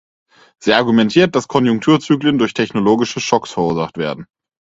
Sie argumentiert, dass Konjunkturzyklen durch technologische Schocks verursacht werden.